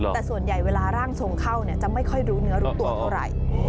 แต่ส่วนใหญ่เวลาร่างทรงเข้าจะไม่ค่อยรู้เนื้อรู้ตัวเท่าไหร่